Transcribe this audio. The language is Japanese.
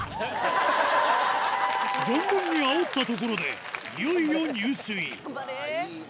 存分にあおったところでいよいよ入水いいね！